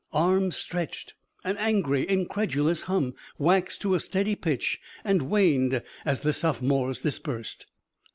Arms stretched. An angry, incredulous hum waxed to a steady pitch and waned as the sophomores dispersed.